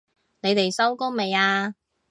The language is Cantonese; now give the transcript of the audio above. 你哋收工未啊？